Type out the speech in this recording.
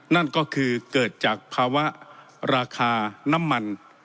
นั่นก็คือเกิดจากภาวะราคาน้ำมัน